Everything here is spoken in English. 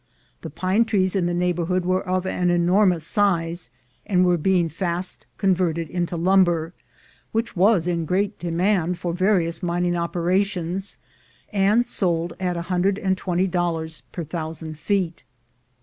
The pine trees in the neighborhood were of an enor mous size, and were being fast converted into lumber, which was in great demand for various mining opera tions, and sold at 120 dollars per thousand feet.